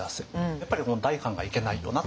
やっぱり代官がいけないよなと。